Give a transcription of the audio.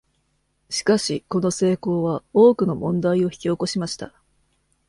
しかし、この成功は多くの問題を引き起こしました。